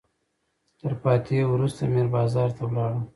تر فاتحې وروسته میر بازار ته لاړم.